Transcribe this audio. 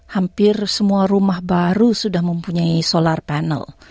hampir semua rumah baru sudah mempunyai solar panel